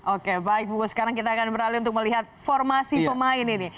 oke baik bu sekarang kita akan beralih untuk melihat formasi pemain ini